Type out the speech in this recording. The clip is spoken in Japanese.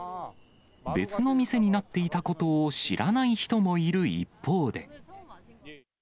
別の店になっていたことを知らない人もいる一方で。